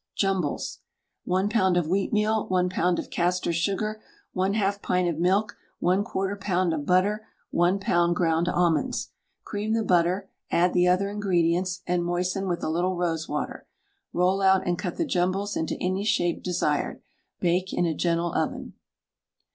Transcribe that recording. JUMBLES. 1 lb. of wheatmeal, 1 lb. of castor sugar, 1/2 pint of milk, 1/4 lb. of butter, 1 lb. ground almonds. Cream the butter, add the other ingredients, and moisten with a little rosewater. Roll out and cut the jumbles into any shape desired. Bake in a gentle oven.